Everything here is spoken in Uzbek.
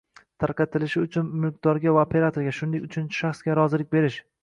tarqatilishi uchun mulkdorga va operatorga, shuningdek uchinchi shaxsga rozilik berish;